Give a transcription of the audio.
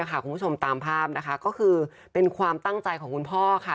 คุณผู้ชมตามภาพนะคะก็คือเป็นความตั้งใจของคุณพ่อค่ะ